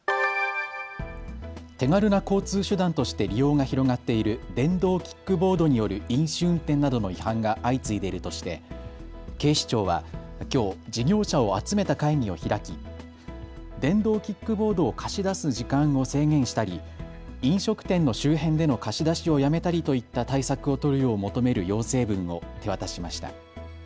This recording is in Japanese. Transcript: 手軽な交通手段として利用が広がっている電動キックボードによる飲酒運転などの違反が相次いでいるとして警視庁はきょう事業者を集めた会議を開き電動キックボードを貸し出す時間を制限したり飲食店の周辺での貸し出しをやめたりといった対策を取るよう求める要請文を手渡しました。